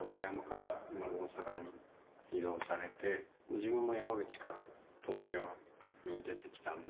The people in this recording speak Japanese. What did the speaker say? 自分も山口から東京に出てきたんで。